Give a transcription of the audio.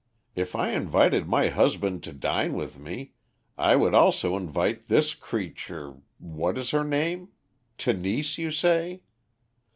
If I invited my husband to dine with me, I would also invite this creature What is her name? Tenise, you say.